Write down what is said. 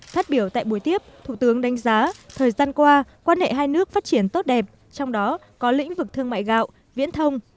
phát biểu tại buổi tiếp thủ tướng đánh giá thời gian qua quan hệ hai nước phát triển tốt đẹp trong đó có lĩnh vực thương mại gạo viễn thông